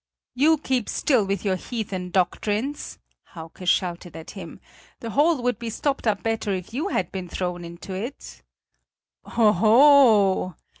"You keep still with your heathen doctrines," Hauke shouted at him, "the hole would be stopped up better if you had been thrown into it!" "Oho!"